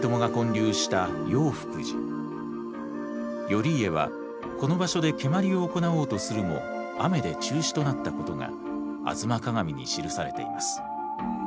頼家はこの場所で蹴鞠を行おうとするも雨で中止となったことが「吾妻鏡」に記されています。